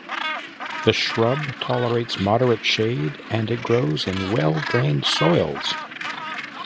The shrub tolerates moderate shade and it grows in well drained soils.